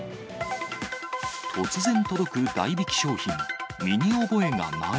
突然届く代引き商品。